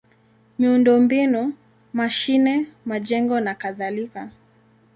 miundombinu: mashine, majengo nakadhalika.